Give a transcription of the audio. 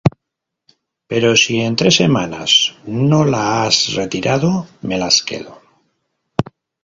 pero si, en tres semanas, no la has retirado, me las quedo.